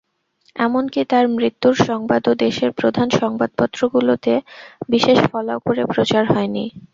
এমনকি তাঁর মৃত্যুর সংবাদও দেশের প্রধান সংবাদপত্রগুলোতে বিশেষ ফলাও করে প্রচার হয়নি।